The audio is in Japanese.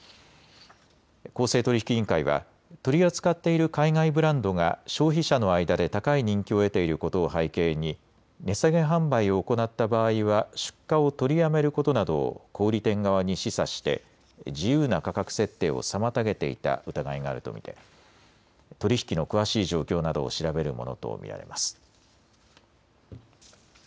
公正取引委員会は取り扱っている海外ブランドが消費者の間で高い人気を得ていることを背景に値下げ販売を行った場合は出荷を取りやめることなどを小売店側に示唆して自由な価格設定を妨げていた疑いがあると見て取り引きの詳しい状況などを調べるものと見られます。